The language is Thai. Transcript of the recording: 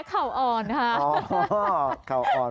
ค่ะเพราะผมจะเห็นคุณแน็กเขาอ่อน